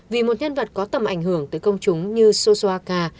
vì một nhân vật có tầm ảnh hưởng tới công chúng như sosoaca